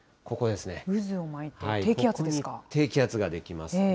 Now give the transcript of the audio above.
ここに低気圧が出来ます。